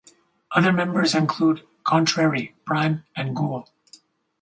Other members include Contrary, Prime and Ghoul.